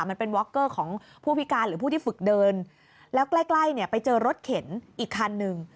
มันเป็นว็อกเกอร์ของผู้พิการหรือผู้ที่ฝึกเดินแล้วใกล้ใกล้เนี่ยไปเจอรถเข็นอีกคันหนึ่ง